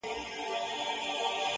• ته مي د ښكلي يار تصوير پر مخ گنډلی؛